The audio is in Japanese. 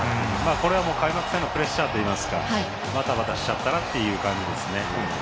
これは開幕戦のプレッシャーといいますかバタバタしちゃった感じですね。